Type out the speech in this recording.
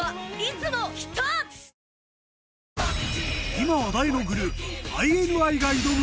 今話題のグループＩＮＩが挑む